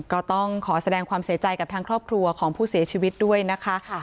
ก็ต้องขอแสดงความเสียใจกับทางครอบครัวของผู้เสียชีวิตด้วยนะคะ